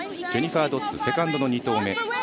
ジェニファー・ドッズセカンドの２投目。